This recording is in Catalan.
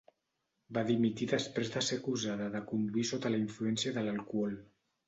Va dimitir després de ser acusada de conduir sota la influència de l'alcohol.